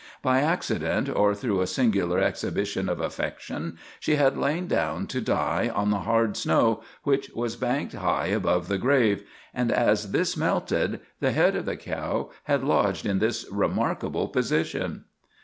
By accident or through a singular exhibition of affection, she had lain down to die on the hard snow which was banked high above the grave, and as this melted the head of the cow had lodged in this remarkable position.